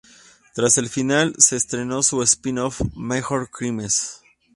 Tras el final, se estrenó su spin-off "Major Crimes".